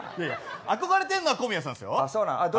憧れてるのは小宮さんですよ。